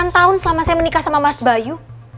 delapan tahun selama saya menikah sama mas bayu